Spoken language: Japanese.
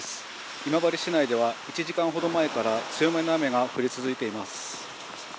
今治市内では１時間ほど前から強めの雨が降り続いています。